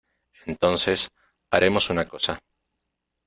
entonces, haremos una cosa.